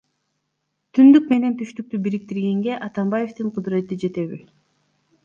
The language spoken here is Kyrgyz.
Түндүк менен түштүктү бириктиргенге Атамбаевдин кудурети жетеби?